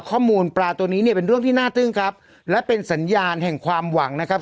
ข้อมูลปลาตัวนี้เนี่ยเป็นเรื่องที่น่าตึ้งครับและเป็นสัญญาณแห่งความหวังนะครับ